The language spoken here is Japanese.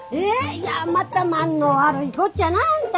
いやまた間の悪いこっちゃなああんた。